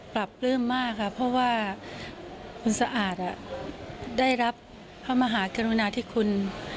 ปรับปลื้มมากค่ะเพราะว่าคุณสะอาดได้รับพระมหากรุณาธิคุณ